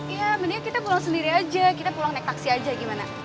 ya mendingan kita pulang sendiri aja kita pulang naik taksi aja gimana